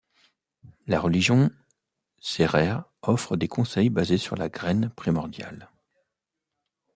La religion sérère offre des conseils basés sur la graine primordiale.